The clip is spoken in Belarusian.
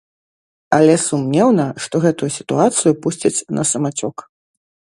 Але сумнеўна, што гэтую сітуацыю пусцяць на самацёк.